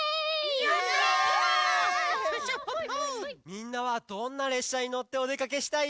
みんなはどんなれっしゃにのっておでかけしたい？